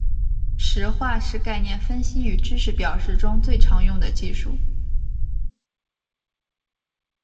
实化是概念分析与知识表示中最常用的技术。